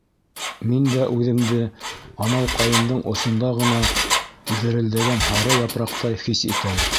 Мин дә үҙемде анау ҡайындың осонда ғына дерелдәгән һары япраҡтай хис итәм.